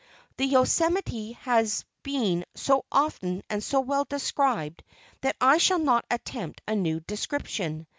The Yo Semite has been so often and so well described that I shall not attempt a new description.